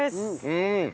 うん！